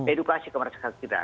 edukasi ke masyarakat kita